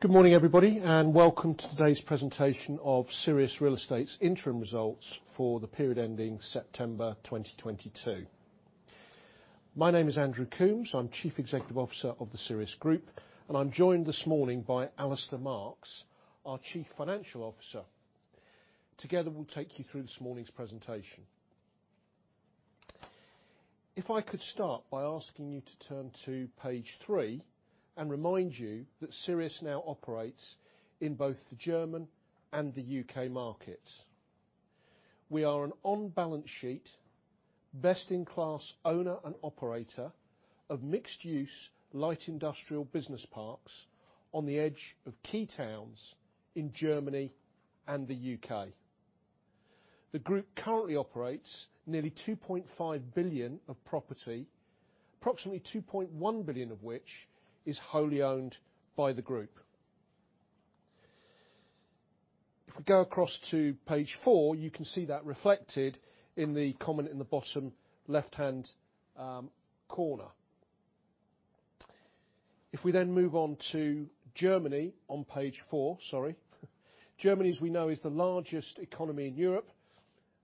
Good morning, everybody, and welcome to today's presentation of Sirius Real Estate's interim results for the period ending September 2022. My name is Andrew Coombs. I'm Chief Executive Officer of Sirius Real Estate, and I'm joined this morning by Alistair Marks, our Chief Financial Officer. Together, we'll take you through this morning's presentation. If I could start by asking you to turn to page three and remind you that Sirius now operates in both the German and the U.K. markets. We are an on-balance sheet, best-in-class owner and operator of mixed-use light industrial business parks on the edge of key towns in Germany and the U.K. The group currently operates nearly 2.5 billion of property, approximately 2.1 billion of which is wholly owned by the group. We go across to page four, you can see that reflected in the comment in the bottom left-hand corner. We move on to Germany on page four. Sorry. Germany, as we know, is the largest economy in Europe,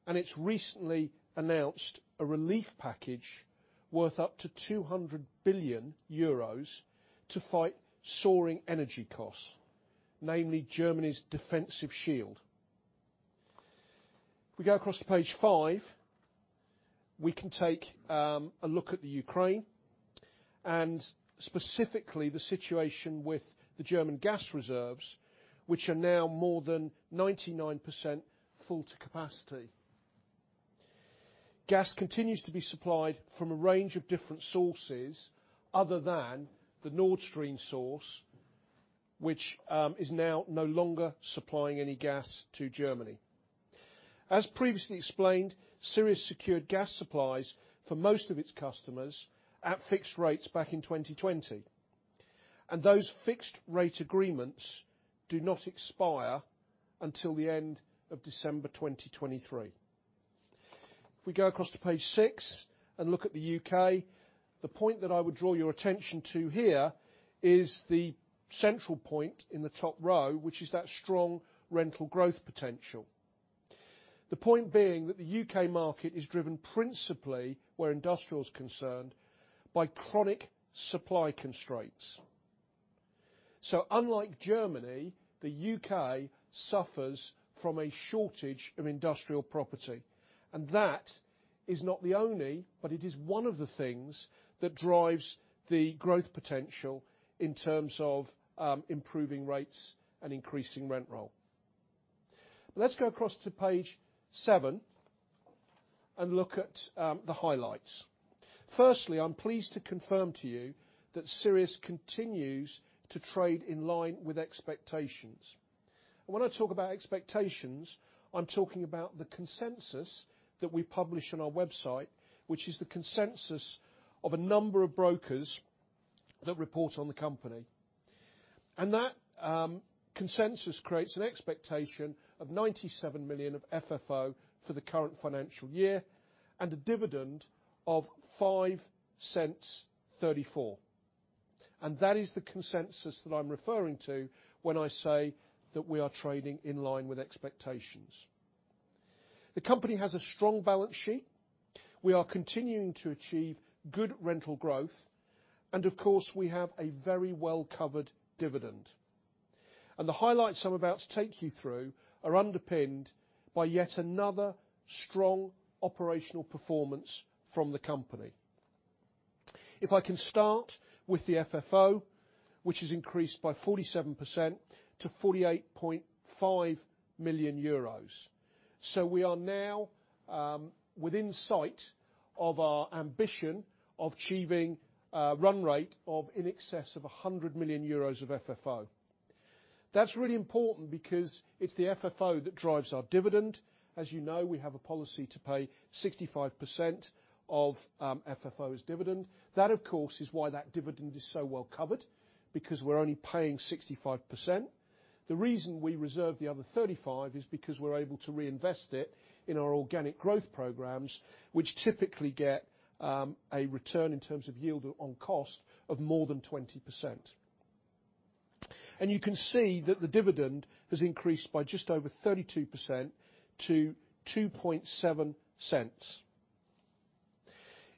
it's recently announced a relief package worth up to 200 billion euros to fight soaring energy costs, namely Germany's defensive shield. We go across to page five, we can take a look at the Ukraine and specifically the situation with the German gas reserves, which are now more than 99% full to capacity. Gas continues to be supplied from a range of different sources other than the Nord Stream source, which is now no longer supplying any gas to Germany. As previously explained, Sirius secured gas supplies for most of its customers at fixed rates back in 2020. Those fixed rate agreements do not expire until the end of December 2023. If we go across to page six and look at the U.K., the point that I would draw your attention to here is the central point in the top row, which is that strong rental growth potential, the point being that the U.K. market is driven principally, where industrial is concerned, by chronic supply constraints. Unlike Germany, the U.K. suffers from a shortage of industrial property, and that is not the only, but it is one of the things that drives the growth potential in terms of improving rates and increasing rent roll. Let's go across to page seven and look at the highlights. Firstly, I'm pleased to confirm to you that Sirius continues to trade in line with expectations. When I talk about expectations, I'm talking about the consensus that we publish on our website, which is the consensus of a number of brokers that report on the company. That consensus creates an expectation of 97 million of FFO for the current financial year and a dividend of 0.0534. That is the consensus that I'm referring to when I say that we are trading in line with expectations. The company has a strong balance sheet. We are continuing to achieve good rental growth. Of course, we have a very well-covered dividend. The highlights I'm about to take you through are underpinned by yet another strong operational performance from the company. If I can start with the FFO, which has increased by 47% to 48.5 million euros. We are now within sight of our ambition of achieving a run rate of in excess of 100 million euros of FFO. That's really important because it's the FFO that drives our dividend. As you know, we have a policy to pay 65% of FFO as dividend. That, of course, is why that dividend is so well covered, because we're only paying 65%. The reason we reserve the other 35% is because we're able to reinvest it in our organic growth programs, which typically get a return in terms of yield on cost of more than 20%. You can see that the dividend has increased by just over 32% to 0.027.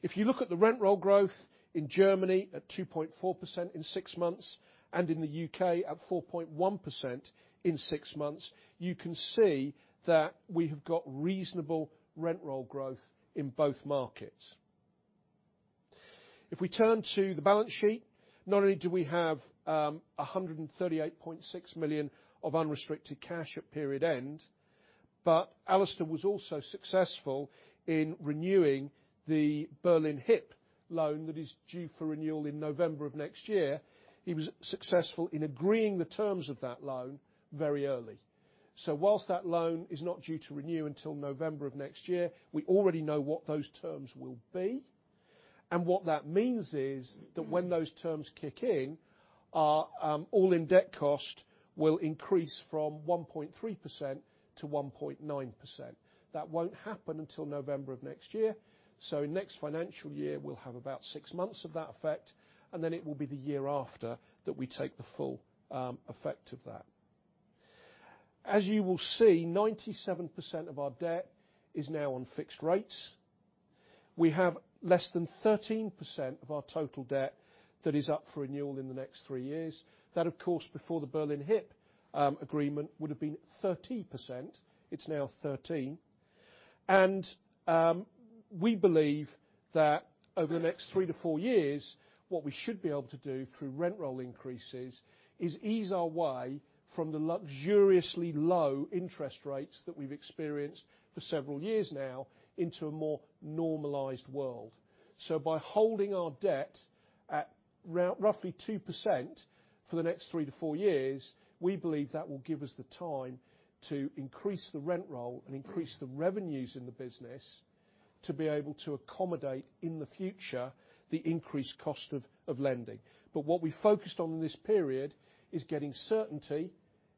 If you look at the rent roll growth in Germany at 2.4% in six months and in the U.K. at 4.1% in six months, you can see that we have got reasonable rent roll growth in both markets. If we turn to the balance sheet, not only do we have 138.6 million of unrestricted cash at period end, but Alistair was also successful in renewing the Berlin Hyp loan that is due for renewal in November of next year. He was successful in agreeing the terms of that loan very early. Whilst that loan is not due to renew until November of next year, we already know what those terms will be. What that means is that when those terms kick in, our all-in debt cost will increase from 1.3% to 1.9%. That won't happen until November of next year, next financial year, we'll have about six months of that effect, then it will be the year after that we take the full effect of that. As you will see, 97% of our debt is now on fixed rates. We have less than 13% of our total debt that is up for renewal in the next three years. That, of course, before the Berlin Hyp agreement would have been 13%. It's now 13%. We believe that over the next three-four years, what we should be able to do through rent roll increases is ease our way from the luxuriously low interest rates that we've experienced for several years now into a more normalized world. By holding our debt at roughly 2% for the next three-four years, we believe that will give us the time to increase the rent roll and increase the revenues in the business to be able to accommodate, in the future, the increased cost of lending. What we focused on this period is getting certainty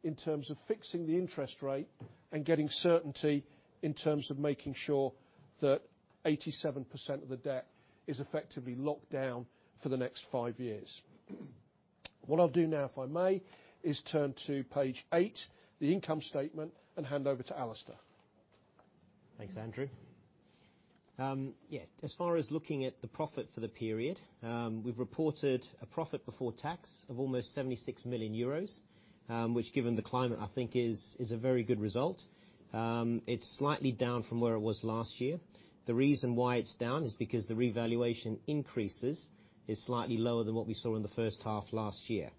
in terms of fixing the interest rate and getting certainty in terms of making sure that 87% of the debt is effectively locked down for the next five years. What I'll do now if I may, is turn to page eight, the income statement, and hand over to Alistair. Thanks, Andrew. As far as looking at the profit for the period, we've reported a profit before tax of almost 76 million euros, which given the climate I think is a very good result. It's slightly down from where it was last year. The reason why it's down is because the revaluation increases is slightly lower than what we saw in the H1 last year.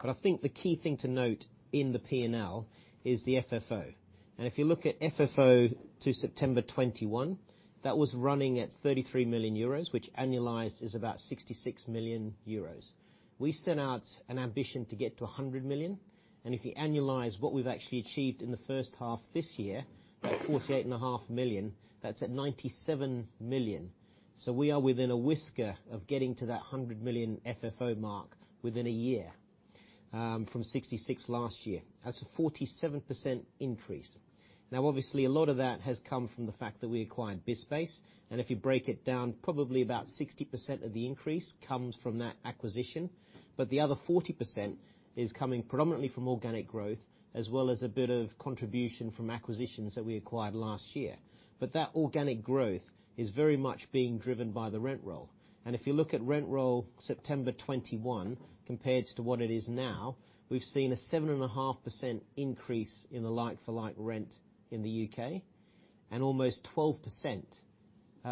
I think the key thing to note in the P&L is the FFO. If you look at FFO to September 2021, that was running at 33 million euros, which annualized is about 66 million euros. We set out an ambition to get to 100 million. If you annualize what we've actually achieved in the first half this year, that's 48.5 million, that's at 97 million. We are within a whisker of getting to that 100 million FFO mark within a year, from 66 last year. That's a 47% increase. Obviously, a lot of that has come from the fact that we acquired BizSpace, and if you break it down, probably about 60% of the increase comes from that acquisition. The other 40% is coming predominantly from organic growth as well as a bit of contribution from acquisitions that we acquired last year. That organic growth is very much being driven by the rent roll. If you look at rent roll September 21 compared to what it is now, we've seen a 7.5% increase in the like-for-like rent in the U.K., and almost 12%,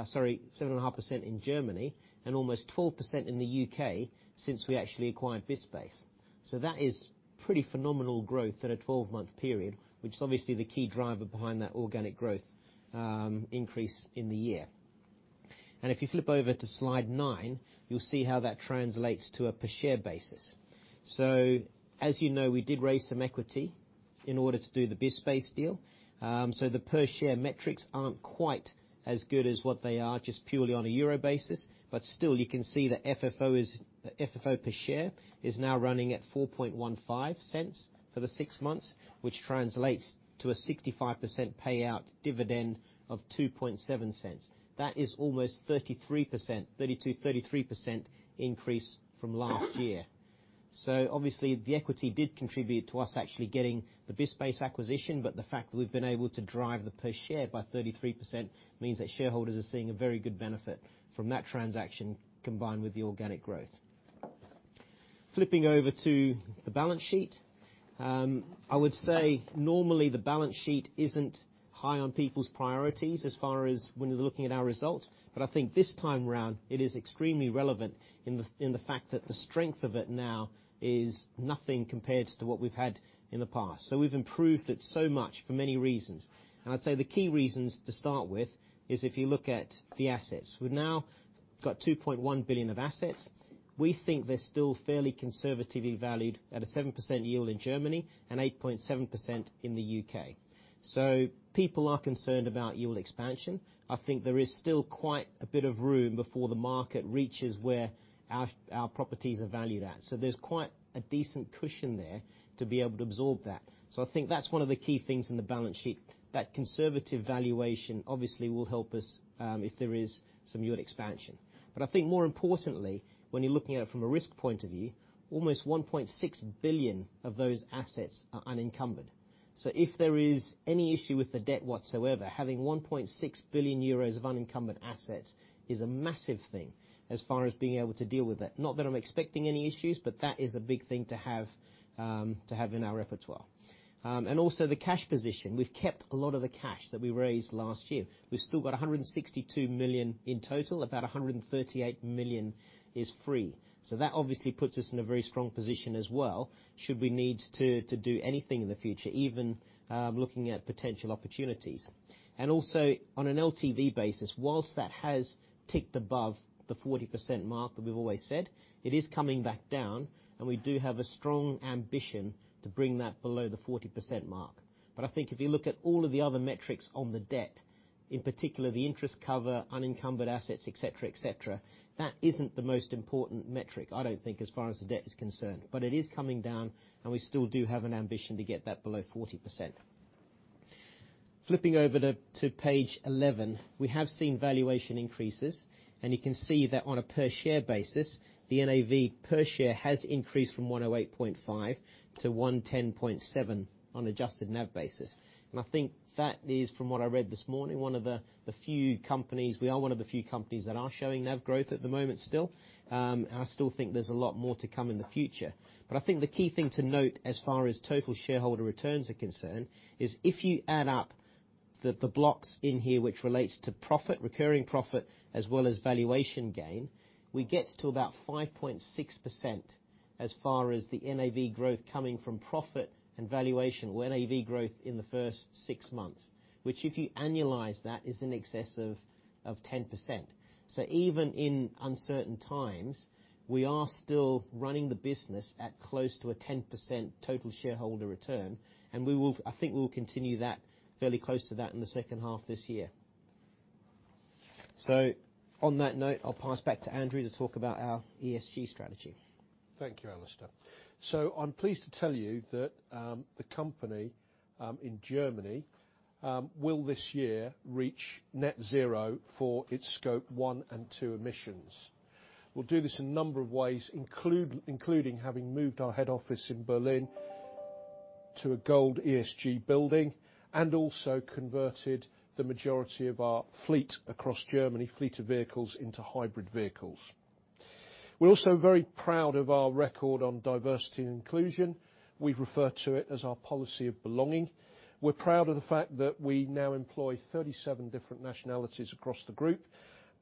sorry, 7.5% in Germany, and almost 12% in the U.K. since we actually acquired BizSpace. That is pretty phenomenal growth in a 12-month period, which is obviously the key driver behind that organic growth increase in the year. If you flip over to slide nine, you'll see how that translates to a per share basis. As you know, we did raise some equity in order to do the BizSpace deal. The per share metrics aren't quite as good as what they are just purely on a EUR basis. Still, you can see the FFO is, FFO per share is now running at 0.0415 for the six months, which translates to a 65% payout dividend of 0.027. That is almost 32%-33% increase from last year. Obviously, the equity did contribute to us actually getting the BizSpace acquisition, but the fact that we've been able to drive the per share by 33% means that shareholders are seeing a very good benefit from that transaction combined with the organic growth. Flipping over to the balance sheet, I would say normally the balance sheet isn't high on people's priorities as far as when they're looking at our results, I think this time round it is extremely relevant in the fact that the strength of it now is nothing compared to what we've had in the past. We've improved it so much for many reasons. I'd say the key reasons to start with is if you look at the assets. We've now got 2.1 billion of assets. We think they're still fairly conservatively valued at a 7% yield in Germany and 8.7% in the U.K.. People are concerned about yield expansion. I think there is still quite a bit of room before the market reaches where our properties are valued at. There's quite a decent cushion there to be able to absorb that. I think that's one of the key things in the balance sheet. That conservative valuation obviously will help us if there is some yield expansion. I think more importantly, when you're looking at it from a risk point of view, almost 1.6 billion of those assets are unencumbered. If there is any issue with the debt whatsoever, having 1.6 billion euros of unencumbered assets is a massive thing as far as being able to deal with that. Not that I'm expecting any issues, but that is a big thing to have to have in our repertoire. And also the cash position. We've kept a lot of the cash that we raised last year. We've still got 162 million in total, about 138 million is free. That obviously puts us in a very strong position as well, should we need to do anything in the future, even looking at potential opportunities. Also on an LTV basis, whilst that has ticked above the 40% mark that we've always said, it is coming back down, and we do have a strong ambition to bring that below the 40% mark. I think if you look at all of the other metrics on the debt, in particular the interest cover, unencumbered assets, et cetera, et cetera, that isn't the most important metric, I don't think as far as the debt is concerned. It is coming down and we still do have an ambition to get that below 40%. Flipping over to page 11, we have seen valuation increases, and you can see that on a per share basis, the NAV per share has increased from 108.5 to 110.7 on adjusted NAV basis. I think that is, from what I read this morning, one of the few companies. We are one of the few companies that are showing NAV growth at the moment still. I still think there's a lot more to come in the future. I think the key thing to note as far as total shareholder returns are concerned is if you add up the blocks in here which relates to profit, recurring profit as well as valuation gain, we get to about 5.6% as far as the NAV growth coming from profit and valuation, NAV growth in the first six months, which if you annualize that is in excess of 10%. Even in uncertain times, we are still running the business at close to a 10% total shareholder return, and I think we will continue that, fairly close to that in the second half this year. On that note, I'll pass back to Andrew to talk about our ESG strategy. Thank you, Alistair. I'm pleased to tell you that the company in Germany will this year reach net zero for its Scope 1 and 2 emissions. We'll do this in a number of ways, including having moved our head office in Berlin to a gold ESG building and also converted the majority of our fleet across Germany, fleet of vehicles, into hybrid vehicles. We're also very proud of our record on diversity and inclusion. We refer to it as our policy of belonging. We're proud of the fact that we now employ 37 different nationalities across the group,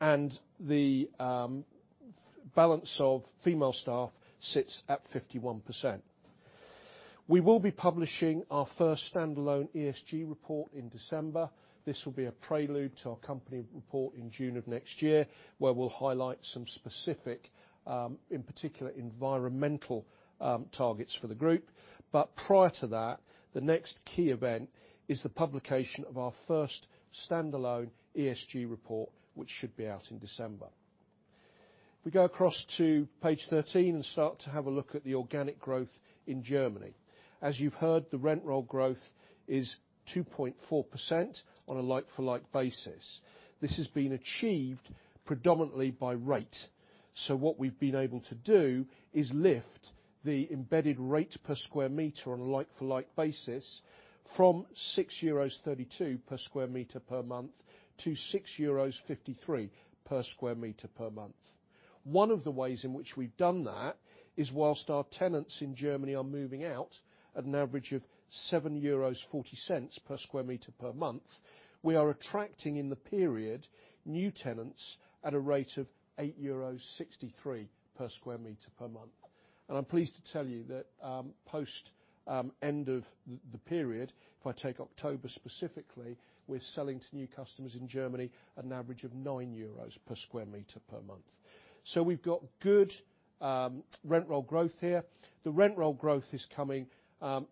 and the balance of female staff sits at 51%. We will be publishing our first standalone ESG report in December. This will be a prelude to our company report in June of next year, where we'll highlight some specific, in particular, environmental, targets for the group. Prior to that, the next key event is the publication of our first standalone ESG report, which should be out in December. If we go across to page 13 and start to have a look at the organic growth in Germany. As you've heard, the rent roll growth is 2.4% on a like-for-like basis. This has been achieved predominantly by rate. What we've been able to do is lift the embedded rate per square meter on a like-for-like basis from 6.32 euros per square meter per month to 6.53 euros per square meter per month. One of the ways in which we've done that is whilst our tenants in Germany are moving out at an average of 7.40 euros per square meter per month, we are attracting in the period new tenants at a rate of 8.63 euros per square meter per month. I'm pleased to tell you that, post end of the period, if I take October specifically, we're selling to new customers in Germany at an average of 9 euros per square meter per month. We've got good rent roll growth here. The rent roll growth is coming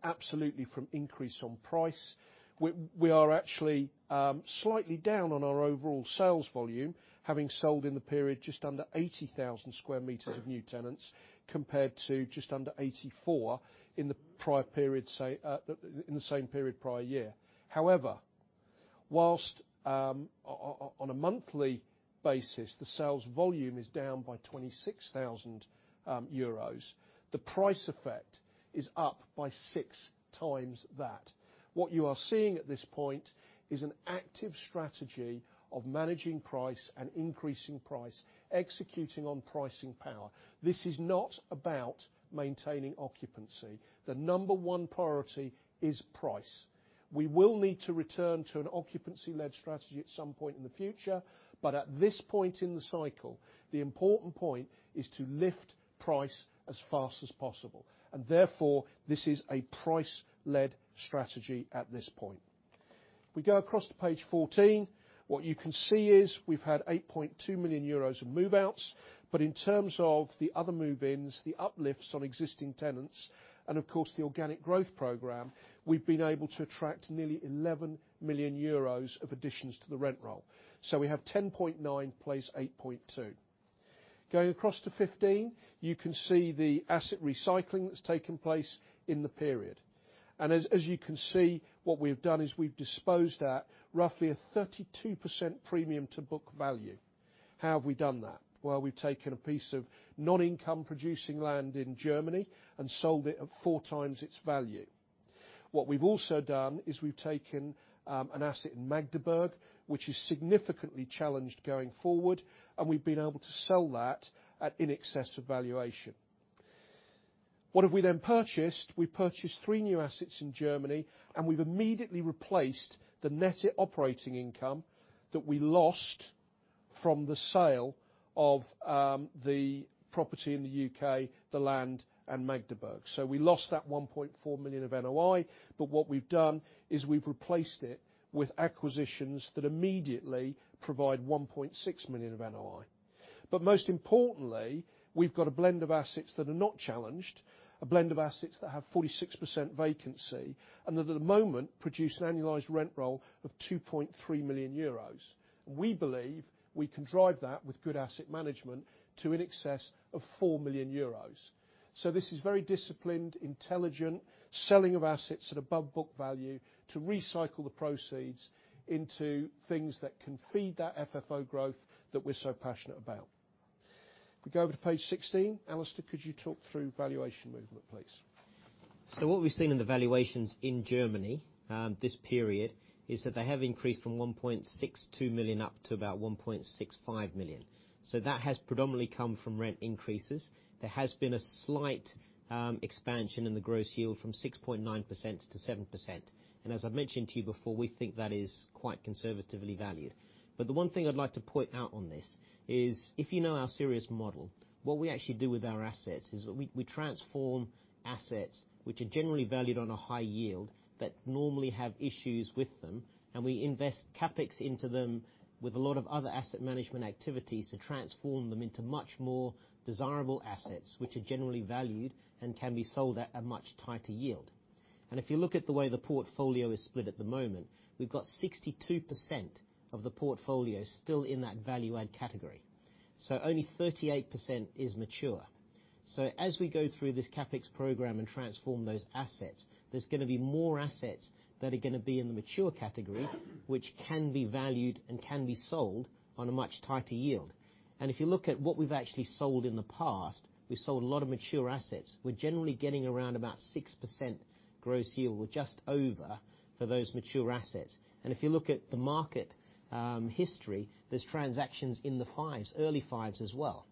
absolutely from increase on price. We are actually slightly down on our overall sales volume, having sold in the period just under 80,000 square meters of new tenants compared to just under 84 in the prior period, say, in the same period prior year. However, whilst on a monthly basis, the sales volume is down by 26,000 euros, the price effect is up by six times that. What you are seeing at this point is an active strategy of managing price and increasing price, executing on pricing power. This is not about maintaining occupancy. The number one priority is price. We will need to return to an occupancy-led strategy at some point in the future, but at this point in the cycle, the important point is to lift price as fast as possible. Therefore, this is a price-led strategy at this point. If we go across to page 14, what you can see is we've had 8.2 million euros in move-outs. In terms of the other move-ins, the uplifts on existing tenants, and of course, the organic growth program, we've been able to attract nearly 11 million euros of additions to the rent roll. We have 10.9 million plus 8.2 million. Going across to 15, you can see the asset recycling that's taken place in the period. As you can see, what we've done is we've disposed at roughly a 32% premium to book value. How have we done that? Well, we've taken a piece of non-income producing land in Germany and sold it at four times its value. We've also done is we've taken an asset in Magdeburg, which is significantly challenged going forward, and we've been able to sell that at in excess of valuation. What have we then purchased? We purchased three new assets in Germany, and we've immediately replaced the net operating income that we lost from the sale of the property in the U.K., the land and Magdeburg. We lost that 1.4 million of NOI, but what we've done is we've replaced it with acquisitions that immediately provide 1.6 million of NOI. Most importantly, we've got a blend of assets that are not challenged, a blend of assets that have 46% vacancy, and that at the moment produce an annualized rent roll of 2.3 million euros. We believe we can drive that with good asset management to in excess of 4 million euros. This is very disciplined, intelligent selling of assets at above book value to recycle the proceeds into things that can feed that FFO growth that we're so passionate about. We go over to page 16. Alistair, could you talk through valuation movement, please? What we've seen in the valuations in Germany, this period is that they have increased from 1.62 million up to about 1.65 million. That has predominantly come from rent increases. There has been a slight expansion in the gross yield from 6.9% to 7%. As I've mentioned to you before, we think that is quite conservatively valued. The one thing I'd like to point out on this is if you know our Sirius model, what we actually do with our assets is we transform assets which are generally valued on a high yield that normally have issues with them, and we invest CapEx into them with a lot of other asset management activities to transform them into much more desirable assets which are generally valued and can be sold at a much tighter yield. If you look at the way the portfolio is split at the moment, we've got 62% of the portfolio still in that value-add category. Only 38% is mature. As we go through this CapEx program and transform those assets, there's gonna be more assets that are gonna be in the mature category, which can be valued and can be sold on a much tighter yield. If you look at what we've actually sold in the past, we sold a lot of mature assets. We're generally getting around about 6% gross yield, or just over, for those mature assets. If you look at the market history, there's transactions in the 5s, early 5s as well.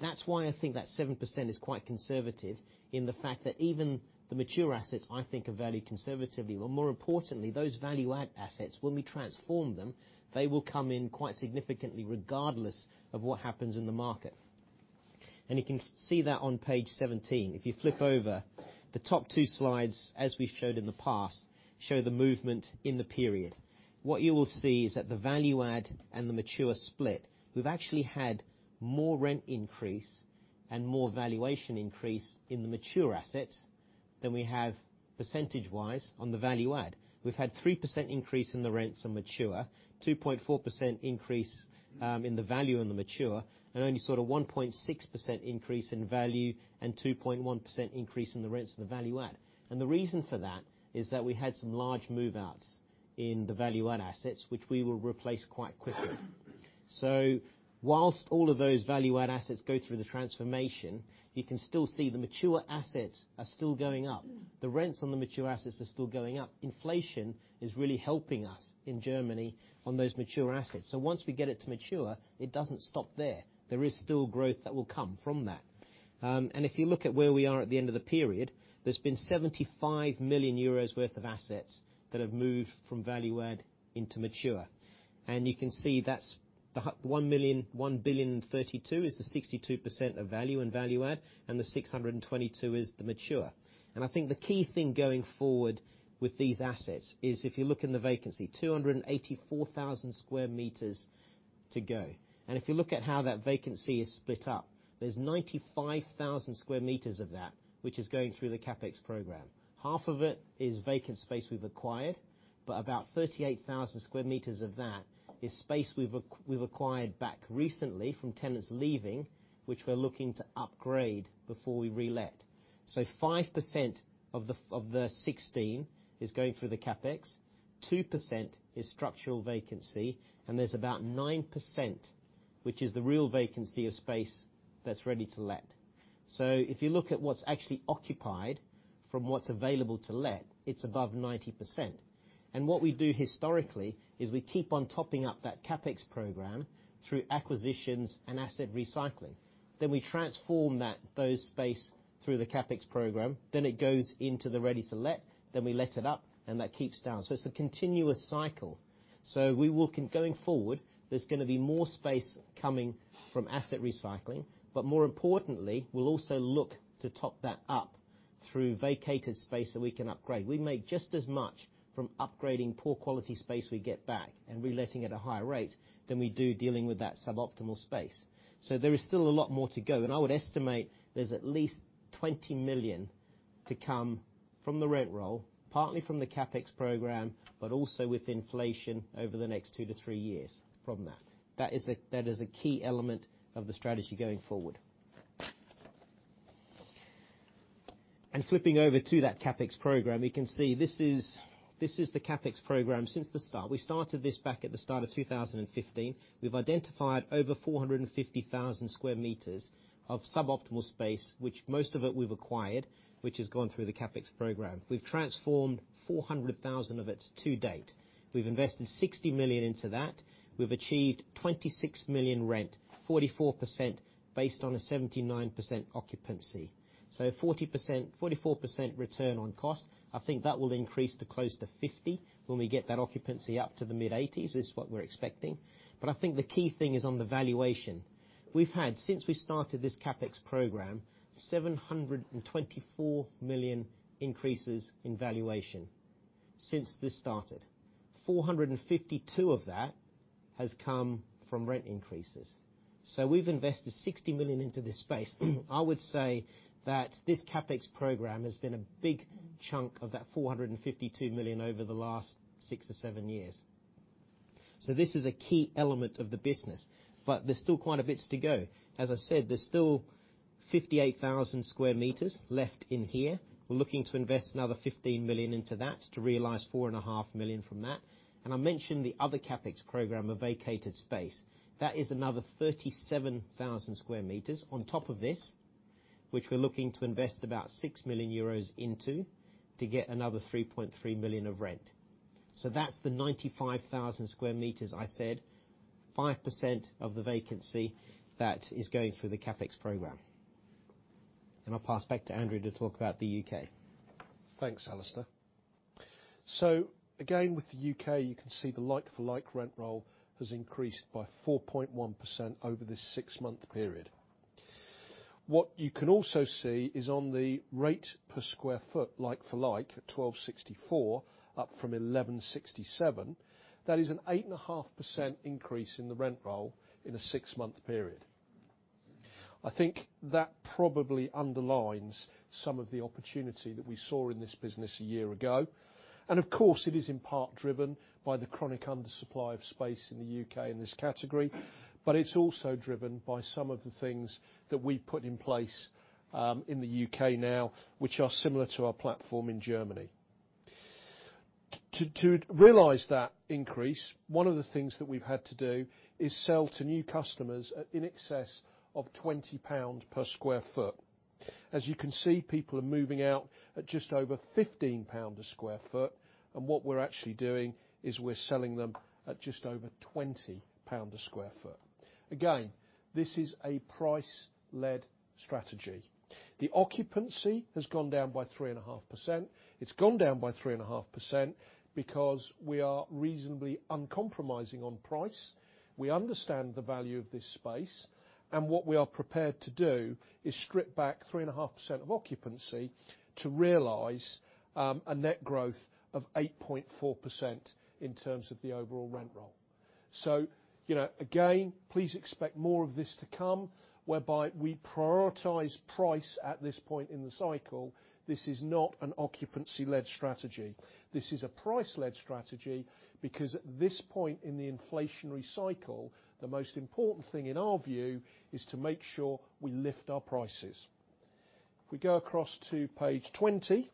That's why I think that 7% is quite conservative in the fact that even the mature assets, I think, are valued conservatively. Well, more importantly, those value-add assets, when we transform them, they will come in quite significantly regardless of what happens in the market. You can see that on page 17. If you flip over, the top two slides, as we showed in the past, show the movement in the period. What you will see is that the value-add and the mature split, we've actually had more rent increase and more valuation increase in the mature assets than we have percentage-wise on the value-add. We've had 3% increase in the rents on mature, 2.4% increase in the value on the mature, and only sort of 1.6% increase in value and 2.1% increase in the rents on the value-add. The reason for that is that we had some large move-outs in the value-add assets, which we will replace quite quickly. Whilst all of those value-add assets go through the transformation, you can still see the mature assets are still going up. The rents on the mature assets are still going up. Inflation is really helping us in Germany on those mature assets. Once we get it to mature, it doesn't stop there. There is still growth that will come from that. If you look at where we are at the end of the period, there's been 75 million euros worth of assets that have moved from value-add into mature. You can see that's the 1,032 million is the 62% of value in value-add, and the 622 million is the mature. I think the key thing going forward with these assets is if you look in the vacancy, 284,000 square meters to go. If you look at how that vacancy is split up, there's 95,000 square meters of that, which is going through the CapEx program. Half of it is vacant space we've acquired, about 38,000 square meters of that is space we've acquired back recently from tenants leaving, which we're looking to upgrade before we relet. 5% of the, of the 16 is going through the CapEx, 2% is structural vacancy, there's about 9%, which is the real vacancy of space that's ready to let. If you look at what's actually occupied from what's available to let, it's above 90%. What we do historically is we keep on topping up that CapEx program through acquisitions and asset recycling. We transform those space through the CapEx program, it goes into the ready to let, we let it up, that keeps down. It's a continuous cycle. We will going forward, there's gonna be more space coming from asset recycling, but more importantly, we'll also look to top that up through vacated space that we can upgrade. We make just as much from upgrading poor quality space we get back and reletting at a higher rate than we do dealing with that suboptimal space. There is still a lot more to go, and I would estimate there's at least 20 million to come from the rent roll, partly from the CapEx program, but also with inflation over the next two to three years from that. That is a key element of the strategy going forward. Flipping over to that CapEx program, we can see this is the CapEx program since the start. We started this back at the start of 2015. We've identified over 450,000 sqm of suboptimal space, which most of it we've acquired, which has gone through the CapEx program. We've transformed 400,000 of it to date. We've invested 60 million into that. We've achieved 26 million rent, 44% based on a 79% occupancy. 40%, 44% return on cost. I think that will increase to close to 50 when we get that occupancy up to the mid-80s, is what we're expecting. I think the key thing is on the valuation. We've had, since we started this CapEx program, 724 million increases in valuation since this started. 452 million of that has come from rent increases. We've invested 60 million into this space. I would say that this CapEx program has been a big chunk of that 452 million over the last six or seven years. This is a key element of the business, but there's still quite a bit to go. As I said, there's still 58,000 square meters left in here. We're looking to invest another 15 million into that to realize four and a half million from that. I mentioned the other CapEx program of vacated space. That is another 37,000 square meters on top of this, which we're looking to invest about 6 million euros into to get another 3.3 million of rent. That's the 95,000 square meters I said, 5% of the vacancy that is going through the CapEx program. I'll pass back to Andrew to talk about the U.K.. Thanks, Alistair. Again, with the U.K., you can see the like-for-like rent roll has increased by 4.1% over this six-month period. What you can also see is on the rate per square foot like-for-like at 12.64, up from 11.67. That is an 8.5% increase in the rent roll in a six-month period. I think that probably underlines some of the opportunity that we saw in this business a year ago. Of course, it is in part driven by the chronic undersupply of space in the U.K. in this category. It's also driven by some of the things that we put in place in the U.K. now, which are similar to our platform in Germany. To realize that increase, one of the things that we've had to do is sell to new customers at in excess of 20 pounds per sq ft. As you can see, people are moving out at just over 15 pounds a sq ft. What we're actually doing is we're selling them at just over 20 pounds a sq ft. Again, this is a price-led strategy. The occupancy has gone down by 3.5%. It's gone down by 3.5% because we are reasonably uncompromising on price. We understand the value of this space. What we are prepared to do is strip back 3.5% of occupancy to realize a net growth of 8.4% in terms of the overall rent roll. You know, again, please expect more of this to come, whereby we prioritize price at this point in the cycle. This is not an occupancy-led strategy. This is a price-led strategy, because at this point in the inflationary cycle, the most important thing in our view is to make sure we lift our prices. If we go across to page 20,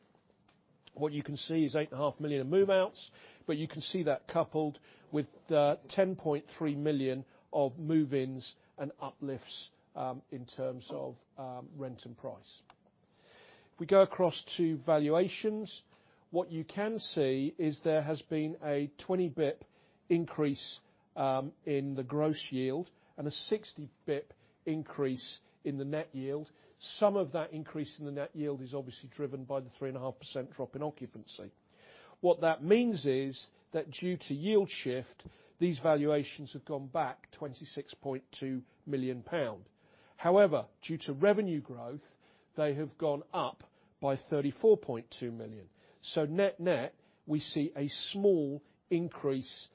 what you can see is 8.5 million in move-outs, you can see that coupled with 10.3 million of move-ins and uplifts in terms of rent and price. If we go across to valuations, what you can see is there has been a 20 bip increase in the gross yield and a 60 bip increase in the net yield. Some of that increase in the net yield is obviously driven by the 3.5% drop in occupancy. What that means is that due to yield shift, these valuations have gone back 26.2 million pound. Due to revenue growth, they have gone up by 34.2 million. Net net, we see a small increase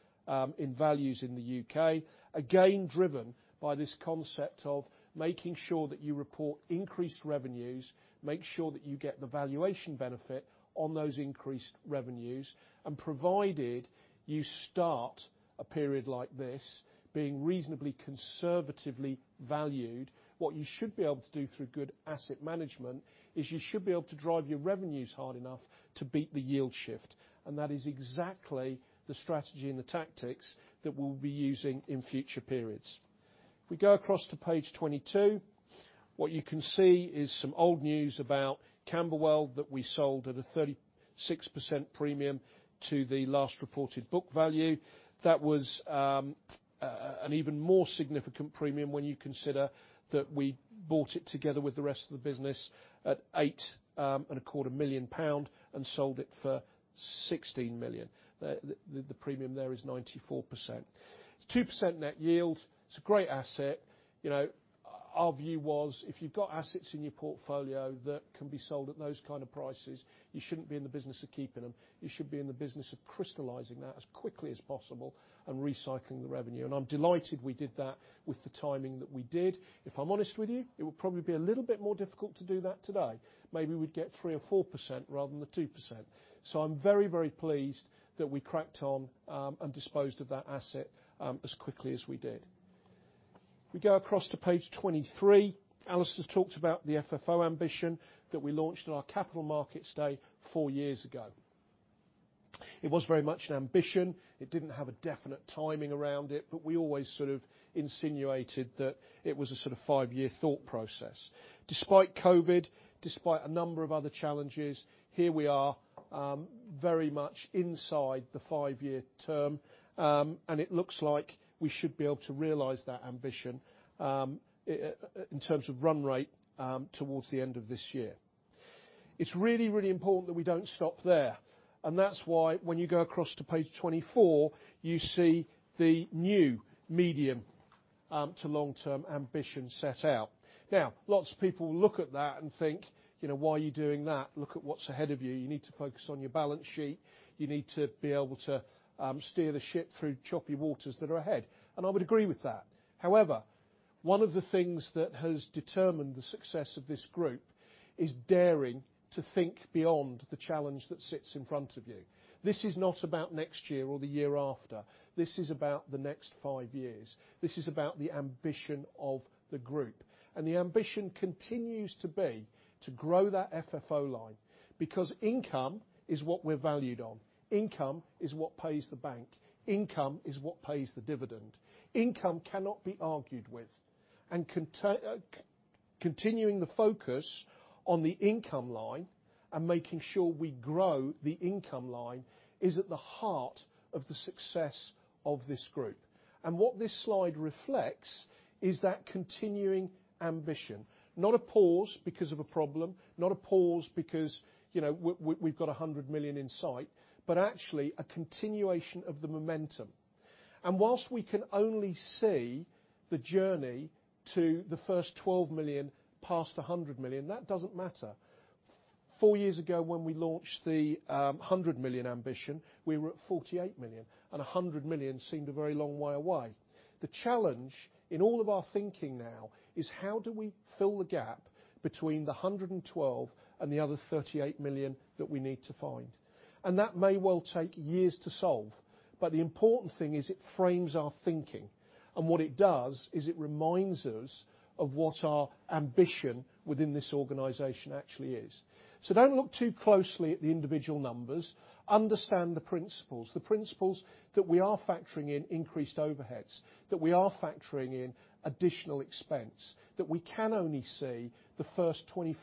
in values in the U.K., again, driven by this concept of making sure that you report increased revenues, make sure that you get the valuation benefit on those increased revenues, and provided you start a period like this being reasonably conservatively valued, what you should be able to do through good asset management is you should be able to drive your revenues hard enough to beat the yield shift. That is exactly the strategy and the tactics that we'll be using in future periods. If we go across to page 22, what you can see is some old news about Camberwell that we sold at a 36% premium to the last reported book value. That was an even more significant premium when you consider that we bought it together with the rest of the business at 8 and a quarter million and sold it for 16 million. The premium there is 94%. It's 2% net yield. It's a great asset. You know, our view was if you've got assets in your portfolio that can be sold at those kind of prices, you shouldn't be in the business of keeping them. You should be in the business of crystallizing that as quickly as possible and recycling the revenue. I'm delighted we did that with the timing that we did. If I'm honest with you, it would probably be a little bit more difficult to do that today. Maybe we'd get 3% or 4% rather than the 2%. I'm very, very pleased that we cracked on and disposed of that asset as quickly as we did. If we go across to page 23, Alistair has talked about the FFO ambition that we launched on our capital markets day four years ago. It was very much an ambition. It didn't have a definite timing around it, but we always sort of insinuated that it was a sort of five-year thought process. Despite COVID, despite a number of other challenges, here we are, very much inside the five-year term, and it looks like we should be able to realize that ambition, in terms of run rate, towards the end of this year. It's really, really important that we don't stop there, and that's why when you go across to page 24, you see the new medium, to long-term ambition set out. Lots of people look at that and think, you know, "Why are you doing that? Look at what's ahead of you. You need to focus on your balance sheet. You need to be able to steer the ship through choppy waters that are ahead." I would agree with that. However...One of the things that has determined the success of this group is daring to think beyond the challenge that sits in front of you. This is not about next year or the year after. This is about the next five years. This is about the ambition of the group. The ambition continues to be to grow that FFO line because income is what we're valued on. Income is what pays the bank. Income is what pays the dividend. Income cannot be argued with. Continuing the focus on the income line and making sure we grow the income line is at the heart of the success of this group. What this slide reflects is that continuing ambition. Not a pause because of a problem, not a pause because, you know, we've got 100 million in sight, but actually a continuation of the momentum. Whilst we can only see the journey to the first 12 million past 100 million, that doesn't matter. Four years ago, when we launched the 100 million ambition, we were at 48 million, 100 million seemed a very long way away. The challenge in all of our thinking now is how do we fill the gap between the 112 and the other 38 million that we need to find? That may well take years to solve. The important thing is it frames our thinking. What it does is it reminds us of what our ambition within this organization actually is. Don't look too closely at the individual numbers. Understand the principles, the principles that we are factoring in increased overheads, that we are factoring in additional expense, that we can only see the first 24%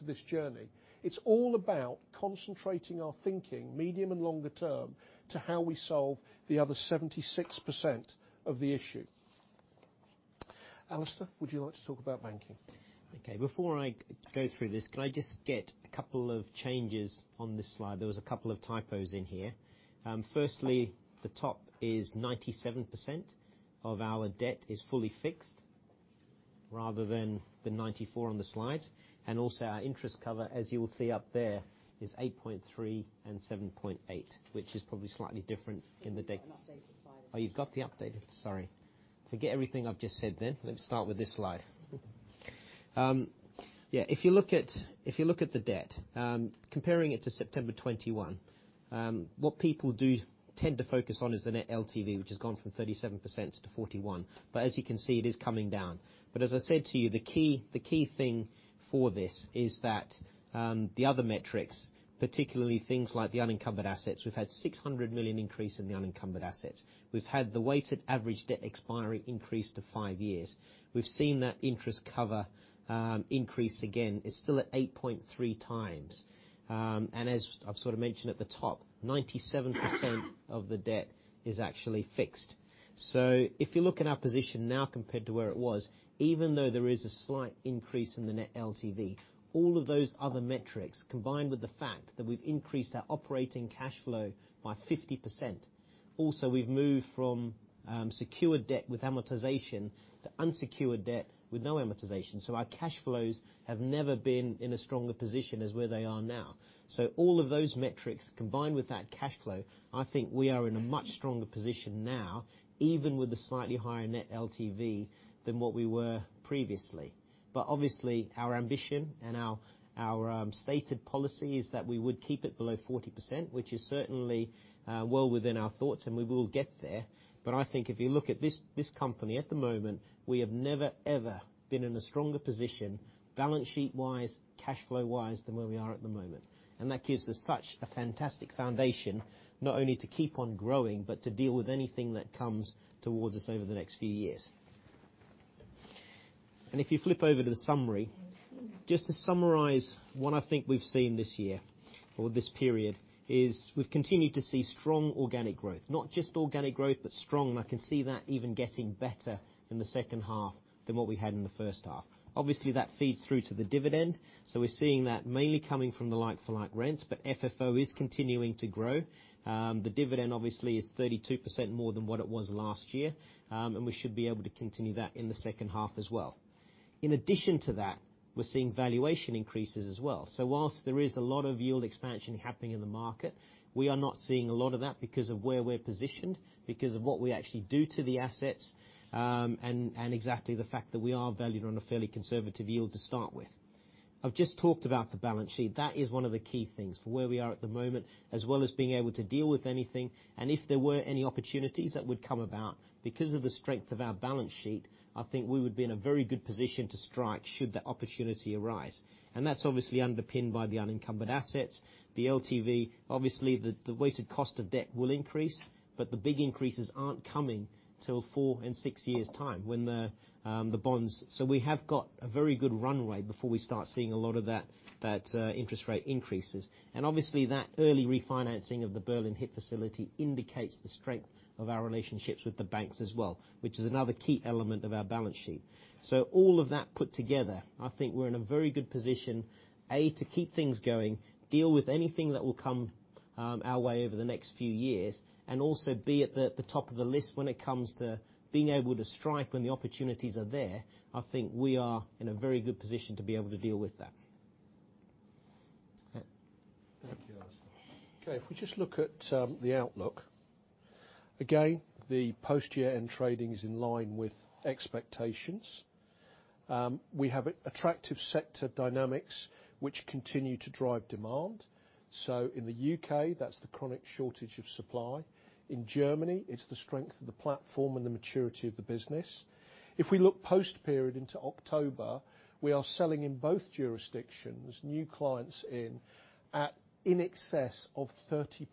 of this journey. It's all about concentrating our thinking, medium and longer term, to how we solve the other 76% of the issue. Alistair, would you like to talk about banking? Okay. Before I go through this, can I just get a couple of changes on this slide? There was a couple of typos in here. Firstly, the top is 97% of our debt is fully fixed rather than the 94 on the slide. Also our interest cover, as you will see up there, is 8.3 and 7.8, which is probably slightly different in the deck. Oh, you've got the updated. Sorry. Forget everything I've just said then. Let me start with this slide. Yeah, if you look at the debt, comparing it to September 2021, what people do tend to focus on is the net LTV, which has gone from 37% to 41%. As you can see, it is coming down. As I said to you, the key thing for this is that the other metrics, particularly things like the unencumbered assets, we've had 600 million increase in the unencumbered assets. We've had the weighted average debt expiry increase to five years. We've seen that interest cover increase again. It's still at 8.3 times. As I've sort of mentioned at the top, 97% of the debt is actually fixed. If you look at our position now compared to where it was, even though there is a slight increase in the net LTV, all of those other metrics, combined with the fact that we've increased our operating cash flow by 50%. Also, we've moved from secured debt with amortization to unsecured debt with no amortization. Our cash flows have never been in a stronger position as where they are now. All of those metrics combined with that cash flow, I think we are in a much stronger position now, even with the slightly higher net LTV than what we were previously. Obviously, our ambition and our stated policy is that we would keep it below 40%, which is certainly well within our thoughts, and we will get there. I think if you look at this company at the moment, we have never, ever been in a stronger position balance sheet-wise, cash flow-wise than where we are at the moment. That gives us such a fantastic foundation, not only to keep on growing, but to deal with anything that comes towards us over the next few years. If you flip over to the summary, just to summarize, what I think we've seen this year or this period is we've continued to see strong organic growth, not just organic growth, but strong. I can see that even getting better in the second half than what we had in the first half. Obviously, that feeds through to the dividend. We're seeing that mainly coming from the like-for-like rents, but FFO is continuing to grow. The dividend obviously is 32% more than what it was last year, and we should be able to continue that in the second half as well. In addition to that, we're seeing valuation increases as well. Whilst there is a lot of yield expansion happening in the market, we are not seeing a lot of that because of where we're positioned, because of what we actually do to the assets, and exactly the fact that we are valued on a fairly conservative yield to start with. I've just talked about the balance sheet. That is one of the key things for where we are at the moment, as well as being able to deal with anything. If there were any opportunities that would come about because of the strength of our balance sheet, I think we would be in a very good position to strike should that opportunity arise. That's obviously underpinned by the unencumbered assets. The LTV, obviously, the weighted cost of debt will increase, but the big increases aren't coming till four and six years' time when the bonds. We have got a very good runway before we start seeing a lot of that interest rate increases. Obviously that early refinancing of the Berlin Hyp facility indicates the strength of our relationships with the banks as well, which is another key element of our balance sheet. All of that put together, I think we're in a very good position, A, to keep things going, deal with anything that will come our way over the next few years, and also be at the top of the list when it comes to being able to strike when the opportunities are there. I think we are in a very good position to be able to deal with that. Okay, if we just look at the outlook. Again, the post-year-end trading is in line with expectations. We have attractive sector dynamics which continue to drive demand. In the U.K., that's the chronic shortage of supply. In Germany, it's the strength of the platform and the maturity of the business. If we look post-period into October, we are selling in both jurisdictions, new clients in, at in excess of 30%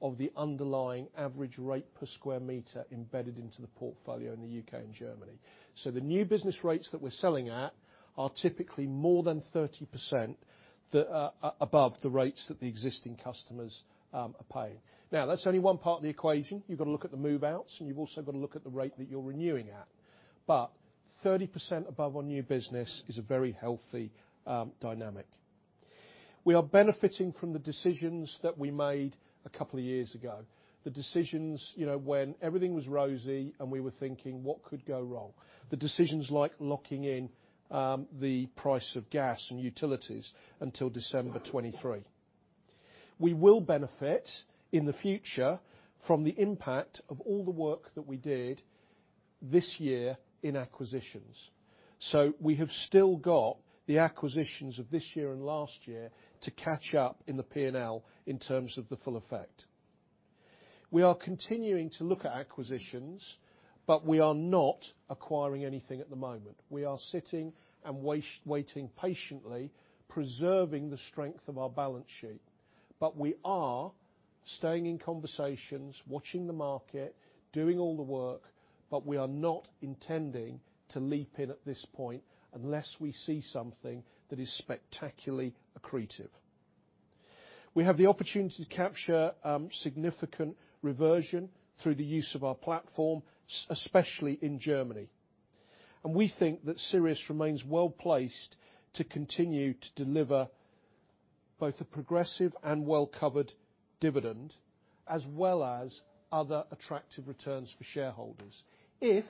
of the underlying average rate per square meter embedded into the portfolio in the U.K. and Germany. The new business rates that we're selling at are typically more than 30% the above the rates that the existing customers are paying. That's only one part of the equation. You've got to look at the move-outs, and you've also got to look at the rate that you're renewing at. 30% above on new business is a very healthy, dynamic. We are benefiting from the decisions that we made a couple of years ago. The decisions, you know, when everything was rosy, and we were thinking, what could go wrong? The decisions like locking in the price of gas and utilities until December 2023. We will benefit in the future from the impact of all the work that we did this year in acquisitions. We have still got the acquisitions of this year and last year to catch up in the P&L in terms of the full effect. We are continuing to look at acquisitions, but we are not acquiring anything at the moment. We are sitting and waiting patiently, preserving the strength of our balance sheet. We are staying in conversations, watching the market, doing all the work, but we are not intending to leap in at this point unless we see something that is spectacularly accretive. We have the opportunity to capture, significant reversion through the use of our platform, especially in Germany. We think that Sirius remains well-placed to continue to deliver both a progressive and well-covered dividend as well as other attractive returns for shareholders. If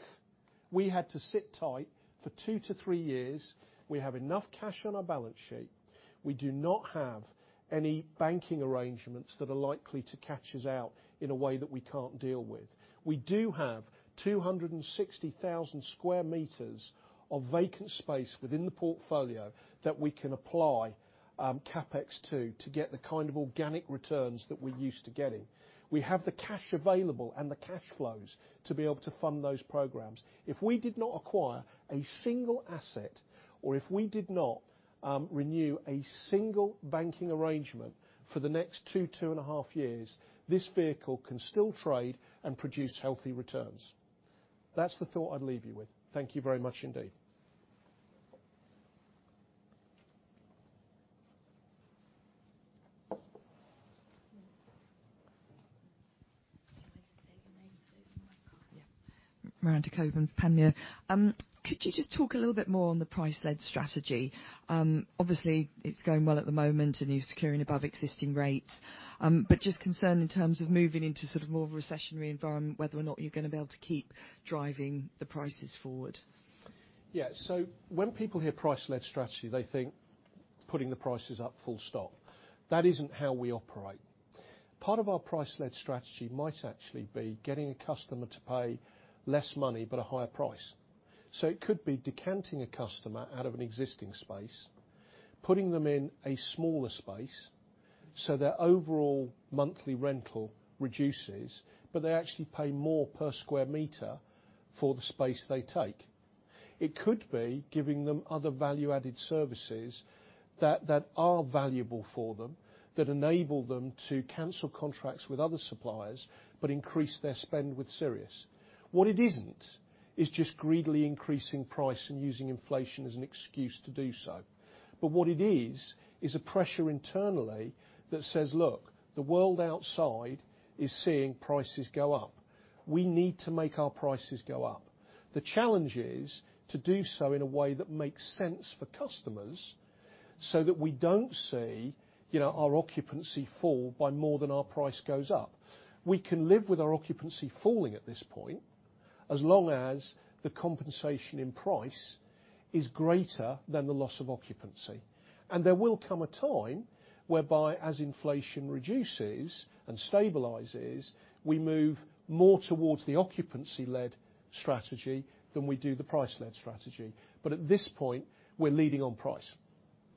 we had to sit tight for two-three years, we have enough cash on our balance sheet. We do not have any banking arrangements that are likely to catch us out in a way that we can't deal with. We do have 260,000 square meters of vacant space within the portfolio that we can apply CapEx to get the kind of organic returns that we're used to getting. We have the cash available and the cash flows to be able to fund those programs. If we did not acquire a single asset, or if we did not renew a single banking arrangement for the next 2.5 years, this vehicle can still trade and produce healthy returns. That's the thought I'd leave you with. Thank you very much indeed. Yeah. Miranda Cockburn, Panmure. Could you just talk a little bit more on the price-led strategy? Obviously, it's going well at the moment, and you're securing above existing rates. Just concerned in terms of moving into sort of more of a recessionary environment, whether or not you're gonna be able to keep driving the prices forward. When people hear price-led strategy, they think putting the prices up full stop. That isn't how we operate. Part of our price-led strategy might actually be getting a customer to pay less money but a higher price. It could be decanting a customer out of an existing space, putting them in a smaller space, so their overall monthly rental reduces, but they actually pay more per square meter for the space they take. It could be giving them other value-added services that are valuable for them, that enable them to cancel contracts with other suppliers, but increase their spend with Sirius. What it isn't, is just greedily increasing price and using inflation as an excuse to do so. What it is a pressure internally that says, "Look, the world outside is seeing prices go up. We need to make our prices go up." The challenge is to do so in a way that makes sense for customers so that we don't see, you know, our occupancy fall by more than our price goes up. We can live with our occupancy falling at this point as long as the compensation in price is greater than the loss of occupancy. There will come a time whereby, as inflation reduces and stabilizes, we move more towards the occupancy-led strategy than we do the price-led strategy. At this point, we're leading on price.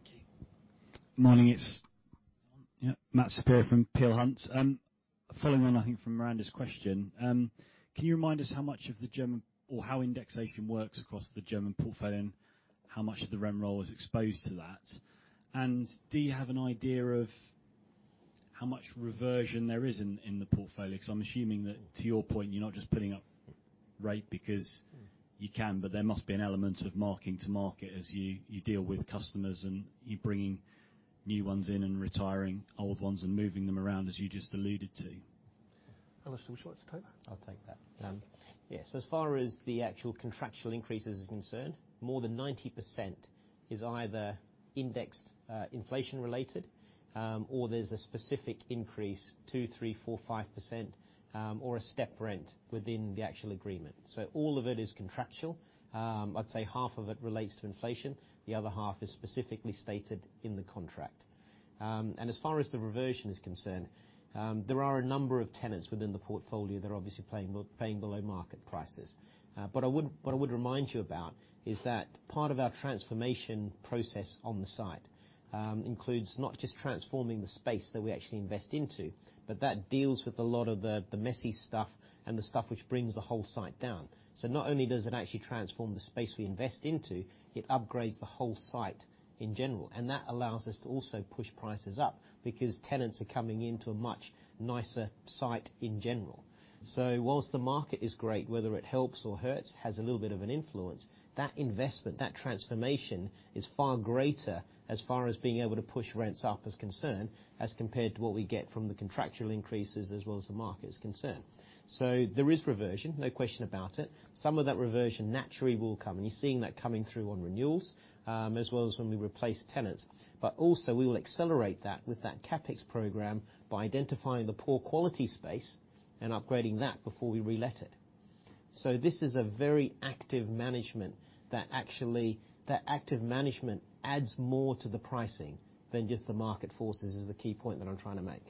Thank you. Morning. Yeah, Matthew Saperia from Peel Hunt. Following on, I think, from Miranda's question, can you remind us how much of the German or how indexation works across the German portfolio and how much of the REM role is exposed to that? Do you have an idea of how much reversion there is in the portfolio? 'Cause I'm assuming that, to your point, you're not just putting up rate because you can, but there must be an element of marking to market as you deal with customers and you're bringing new ones in and retiring old ones and moving them around as you just alluded to. Alistair, do you wanna take that? I'll take that. Yes, as far as the actual contractual increases are concerned, more than 90% is either indexed, inflation-related, or there's a specific increase, 2%, 3%, 4%, 5%, or a step rent within the actual agreement. All of it is contractual. I'd say half of it relates to inflation, the other half is specifically stated in the contract. As far as the reversion is concerned, there are a number of tenants within the portfolio that are obviously paying below market prices. What I would remind you about is that part of our transformation process on the site, includes not just transforming the space that we actually invest into, but that deals with a lot of the messy stuff and the stuff which brings the whole site down. Not only does it actually transform the space we invest into, it upgrades the whole site in general, and that allows us to also push prices up because tenants are coming into a much nicer site in general. Whilst the market is great, whether it helps or hurts, has a little bit of an influence, that investment, that transformation is far greater as far as being able to push rents up is concerned, as compared to what we get from the contractual increases as well as the market is concerned. There is reversion, no question about it. Some of that reversion naturally will come, and you're seeing that coming through on renewals, as well as when we replace tenants. Also we will accelerate that with that CapEx program by identifying the poor quality space and upgrading that before we relet it. This is a very active management that actually, that active management adds more to the pricing than just the market forces, is the key point that I'm trying to make.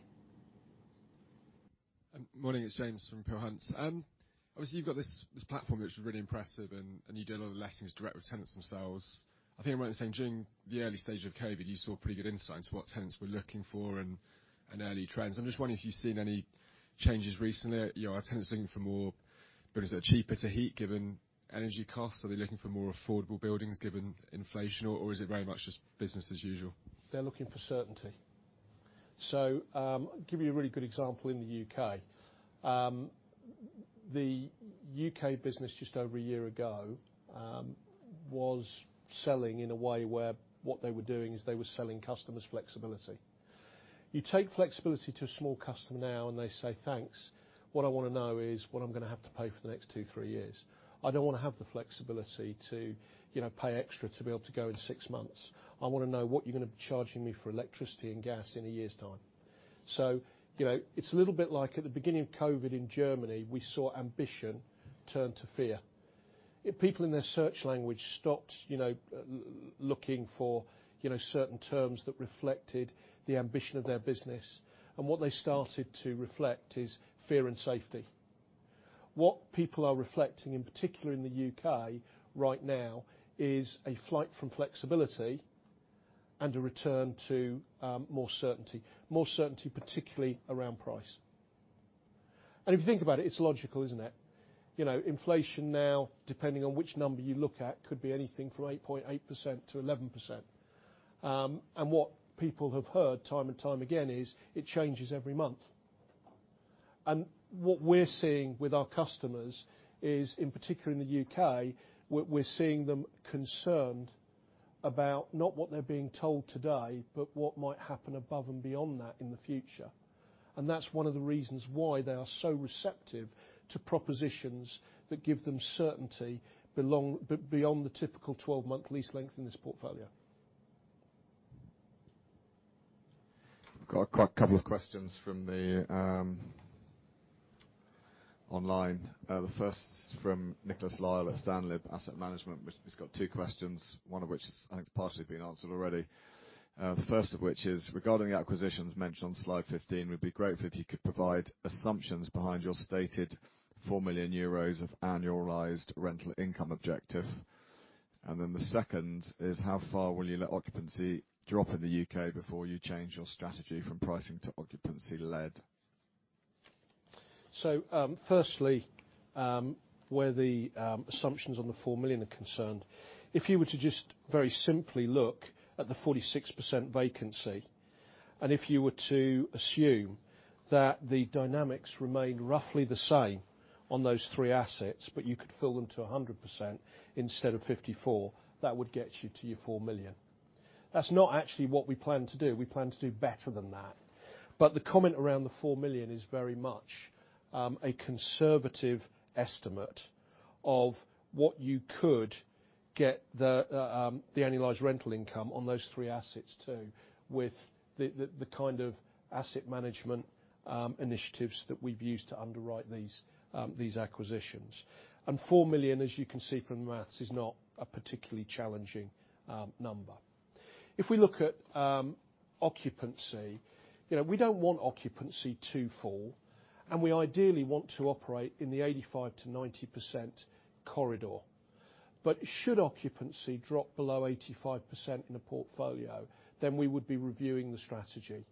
Morning, it's James from Peel Hunt. Obviously you've got this platform which is really impressive and you do a lot of lettings direct with tenants themselves. I think you might say during the early stage of COVID, you saw pretty good insights what tenants were looking for and early trends. I'm just wondering if you've seen any changes recently. You know, are tenants looking for more buildings that are cheaper to heat given energy costs? Are they looking for more affordable buildings given inflation, or is it very much just business as usual? They're looking for certainty. Give you a really good example in the U.K. The U.K. business just over a year ago was selling in a way where what they were doing is they were selling customers flexibility. You take flexibility to a small customer now and they say, "Thanks. What I wanna know is what I'm gonna have to pay for the next two, three years. I don't wanna have the flexibility to, you know, pay extra to be able to go in six months. I wanna know what you're gonna be charging me for electricity and gas in a year's time." You know, it's a little bit like at the beginning of COVID in Germany, we saw ambition turn to fear. People in their search language stopped, you know, looking for, you know, certain terms that reflected the ambition of their business, and what they started to reflect is fear and safety. What people are reflecting in particular in the U.K. right now is a flight from flexibility and a return to more certainty. More certainty, particularly around price. If you think about it's logical, isn't it? You know, inflation now, depending on which number you look at, could be anything from 8.8% to 11%. What people have heard time and time again is it changes every month. What we're seeing with our customers is, in particular in the U.K., we're seeing them concerned about not what they're being told today, but what might happen above and beyond that in the future. That's one of the reasons why they are so receptive to propositions that give them certainty belong, beyond the typical 12-month lease length in this portfolio. Got a quite, couple of questions from the online. The first from Nicolas Lyle at Stanlib Asset Management, which he's got two questions, one of which I think has partially been answered already. The first of which is regarding the acquisitions mentioned on slide 15, it would be great if you could provide assumptions behind your stated 4 million euros of annualized rental income objective. The second is, how far will you let occupancy drop in the UK before you change your strategy from pricing to occupancy-led? Firstly, where the assumptions on the 4 million are concerned, if you were to just very simply look at the 46% vacancy, and if you were to assume that the dynamics remain roughly the same on those three assets, but you could fill them to 100% instead of 54%, that would get you to your 4 million. That's not actually what we plan to do. We plan to do better than that. But the comment around the 4 million is very much a conservative estimate of what you could get the annualized rental income on those three assets too, with the kind of asset management initiatives that we've used to underwrite these acquisitions. 4 million, as you can see from the math, is not a particularly challenging number. If we look at, you know, occupancy, we don't want occupancy too full, and we ideally want to operate in the 85%-90% corridor. Should occupancy drop below 85% in a portfolio, then we would be reviewing the strategy.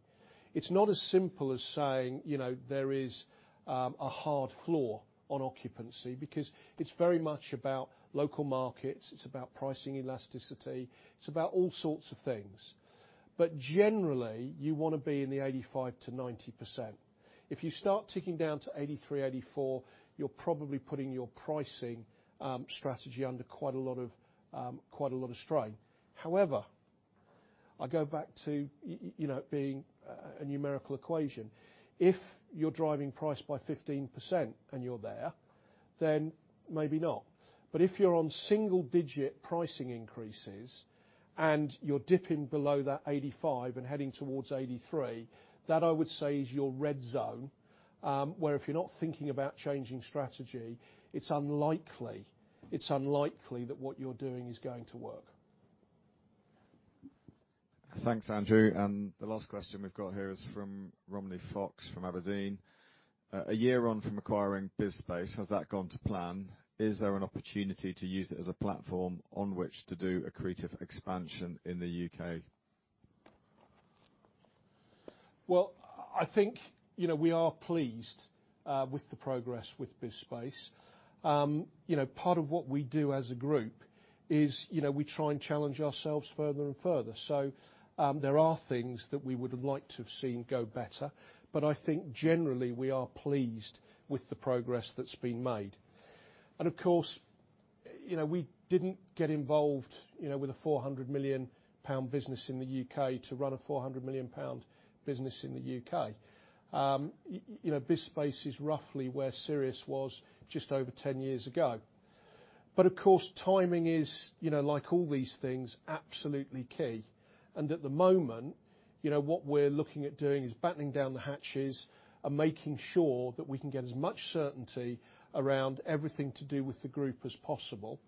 It's not as simple as saying, you know, there is a hard floor on occupancy because it's very much about local markets, it's about pricing elasticity, it's about all sorts of things. Generally, you wanna be in the 85%-90%. If you start ticking down to 83%, 84%, you're probably putting your pricing strategy under quite a lot of quite a lot of strain. However, I go back to, you know, it being a numerical equation. If you're driving price by 15% and you're there, then maybe not. If you're on single-digit pricing increases and you're dipping below that 85 and heading towards 83, that I would say is your red zone, where if you're not thinking about changing strategy, it's unlikely that what you're doing is going to work. Thanks, Andrew. The last question we've got here is from Robbie Fox from Aberdeen. A year on from acquiring BizSpace, has that gone to plan? Is there an opportunity to use it as a platform on which to do accretive expansion in the U.K.? Well, I think, you know, we are pleased, with the progress with BizSpace. You know, part of what we do as a group is, you know, we try and challenge ourselves further and further. There are things that we would have liked to have seen go better. I think generally we are pleased with the progress that's been made. Of course, you know, we didn't get involved, you know, with a 400 million pound business in the U.K. to run a 400 million pound business in the U.K.. You know, BizSpace is roughly where Sirius was just over 10 years ago. Of course, timing is, you know, like all these things, absolutely key. At the moment, you know, what we're looking at doing is battening down the hatches and making sure that we can get as much certainty around everything to do with the group as possible.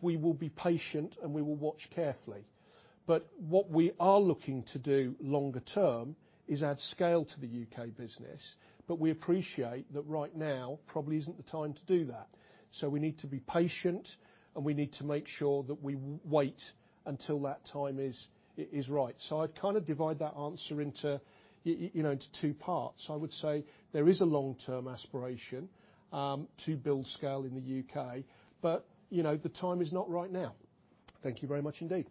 We will be patient, and we will watch carefully. What we are looking to do longer term is add scale to the U.K. business, but we appreciate that right now probably isn't the time to do that. We need to be patient, and we need to make sure that we wait until that time is right. I'd kinda divide that answer into, you know, into two parts. I would say there is a long-term aspiration to build scale in the U.K., but, you know, the time is not right now. Thank you very much indeed.